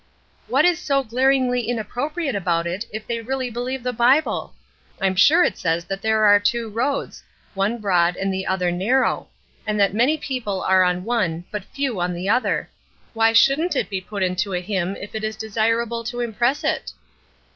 "What is so glaringly inappropriate about it if they really believe the Bible? I'm sure it says there that there are two roads, one broad and the other narrow; and that many people are on one and but few on the other. Why shouldn't it be put into a hymn if it is desirable to impress it?"